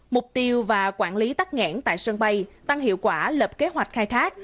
mục tiêu và quản lý tắt nghẽn tại sân bay tăng hiệu quả lập kế hoạch khai thác